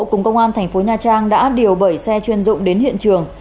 cùng công an thành phố nha trang đã điều bảy xe chuyên dụng đến hiện trường